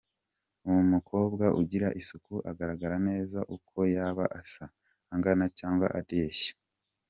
Umukobwa ugira isuku agaragara neza uko yaba asa, angana cyangwa areshya kose.